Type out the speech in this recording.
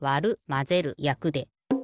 「まぜる」「やく」で。